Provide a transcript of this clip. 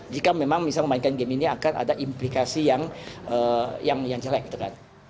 jika memang misalnya memainkan game ini akan ada implikasi yang jelek